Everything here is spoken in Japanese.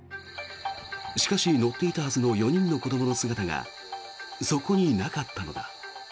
しかし、乗っていたはずの４人の子どもの姿がそこになかったのだ。